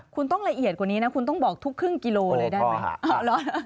คุณต้องละเอียดกว่านี้นะคุณต้องบอกทุกครึ่งกิโลเลยได้ไหม